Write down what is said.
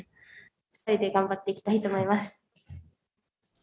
２人で頑張っていきたいと思います。